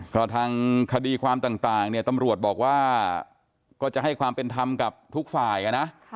ก็ทางคดีความต่างเนี่ยตำรวจบอกว่าก็จะให้ความเป็นธรรมกับทุกฝ่ายนะ